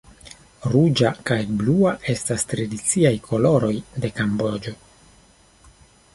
Ruĝa kaj blua estas tradiciaj koloroj de Kamboĝo.